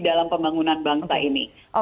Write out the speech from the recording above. dalam pembangunan bangsa ini